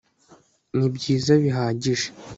nibyiza bihagije